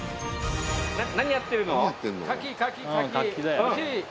何やってるの？